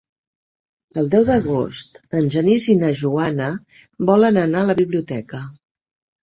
El deu d'agost en Genís i na Joana volen anar a la biblioteca.